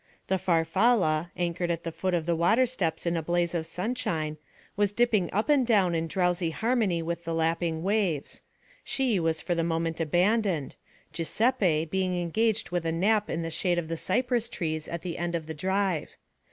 The Farfalla, anchored at the foot of the water steps in a blaze of sunshine, was dipping up and down in drowsy harmony with the lapping waves; she was for the moment abandoned, Giuseppe being engaged with a nap in the shade of the cypress trees at the end of the drive.